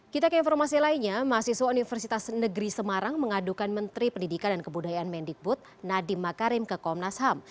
kita ke informasi lainnya mahasiswa universitas negeri semarang mengadukan menteri pendidikan dan kebudayaan mendikbud nadiem makarim ke komnas ham